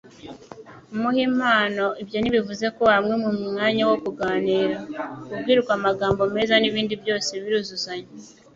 kumuha impano ibyo ntibivuuze ko wamwima umwanya wo kuganira , kubwirwa amagambo meza n'ibindi byose biruzuzanya.